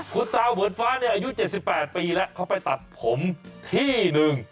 คุณตาเหมือนฟ้าเนี่ยอายุ๗๘ปีแล้วเขาไปตัดผมที่หนึ่ง